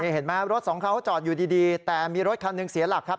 เห็นไหมรถสองเขาจอดอยู่ดีแต่มีรถคันหนึ่งเสียหลักครับ